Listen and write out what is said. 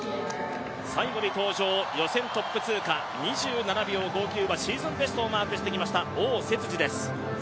最後に登場、予選トップ通過２７秒５９はシーズンベストをマークしてきました汪雪児です。